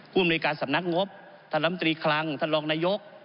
ภูมิในการสำนักงบท่านลำตรีคลังท่านรองนายก